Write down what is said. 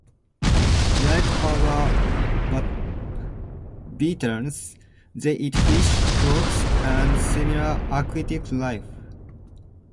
Like other bitterns, they eat fish, frogs, and similar aquatic life.